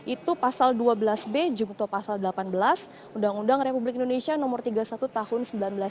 itu pasal dua belas b jungto pasal delapan belas undang undang republik indonesia nomor tiga puluh satu tahun seribu sembilan ratus sembilan puluh